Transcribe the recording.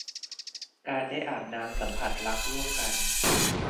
การได้อาบน้ำสัมผัสรักร่วมกัน